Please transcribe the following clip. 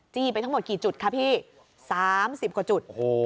จี้ไปทั้งหมดกี่จุดคะพี่๓๐กว่าจุดโอ้โห